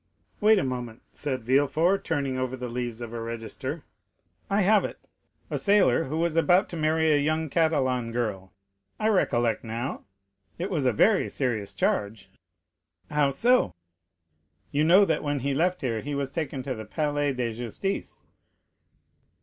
"Wait a moment," said Villefort, turning over the leaves of a register; "I have it—a sailor, who was about to marry a young Catalan girl. I recollect now; it was a very serious charge." "How so?" "You know that when he left here he was taken to the Palais de Justice."